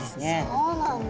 そうなんだ。